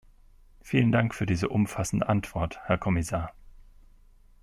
Vielen Dank für diese umfassende Antwort, Herr Kommissar.